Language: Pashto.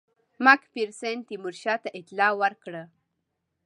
مک فیرسن تیمورشاه ته اطلاع ورکړه.